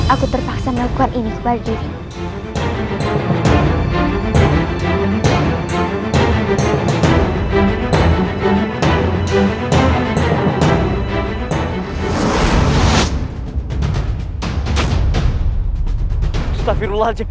aku terpaksa melakukan ini untuk dirimu